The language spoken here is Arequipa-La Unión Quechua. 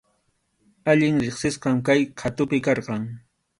Allin riqsisqam kay qhatupi karqan.